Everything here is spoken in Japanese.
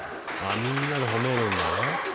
あみんなでほめるんだな。